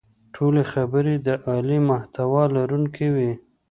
ټولې خبرې د عالي محتوا لرونکې وې.